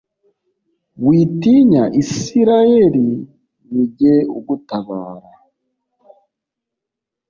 «Witinya, Israheli; ni jye ugutabara!»